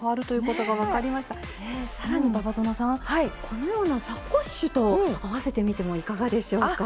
このようなサコッシュと合わせてみてもいかがでしょうか？